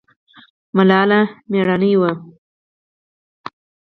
ملالۍ میړنۍ وه